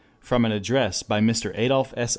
From an address by Mr. Adolph S.